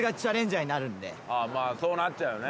まあそうなっちゃうよね。